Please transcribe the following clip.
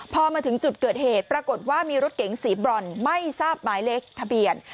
พอมาถึงจุดเกิดเหตุปรากฏว่ามีรถเก๋งสีบรอนไม่ทราบหมายเลขทะเบียน